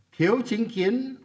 thiếu chính kiến